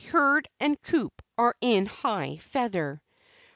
Hurd and Coup are in high feather.